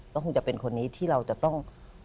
ก็คงจะเป็นคนนี้ที่เราจะต้อง